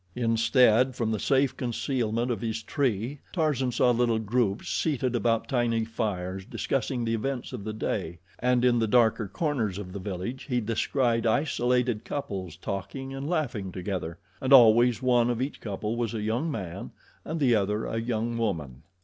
Instead, from the safe concealment of his tree, Tarzan saw little groups seated about tiny fires discussing the events of the day, and in the darker corners of the village he descried isolated couples talking and laughing together, and always one of each couple was a young man and the other a young woman.